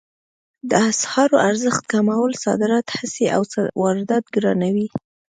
د اسعارو ارزښت کمول صادرات هڅوي او واردات ګرانوي